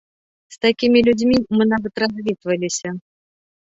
З такімі людзьмі мы нават развітваліся.